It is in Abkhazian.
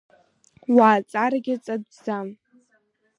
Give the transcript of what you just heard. Уа аҵарагьы ҵатәӡам!